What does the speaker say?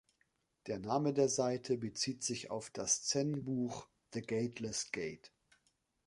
Die Name der Seite bezieht sich auch auf das Zen-Buch „The Gateless Gate“.